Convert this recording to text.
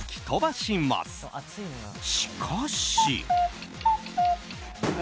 しかし。